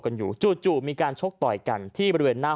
อยู่จู่มีการชกต่อยกันที่บริเวณหน้า